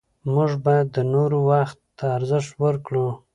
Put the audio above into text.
موږ باید د نورو وخت ته ارزښت ورکړو